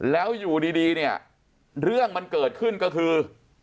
แล้วอยู่ดีเนี่ยเรื่องมันเกิดขึ้นก็คือ